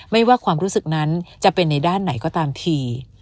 ไม่ว่าความรู้สึกนั้นจะเป็นในด้านไหนก็ตามที